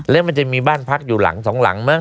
แล้วมันจะมีบ้านพักอยู่หลังสองหลังมั้